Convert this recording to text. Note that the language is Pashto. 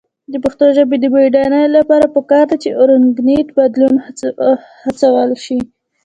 د پښتو ژبې د بډاینې لپاره پکار ده چې اورګانیک بدلون هڅول شي.